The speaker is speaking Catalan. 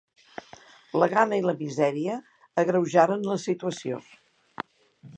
La gana i la misèria agreujaren la situació.